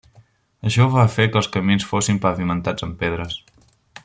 Això va fer que els camins fossin pavimentats amb pedres.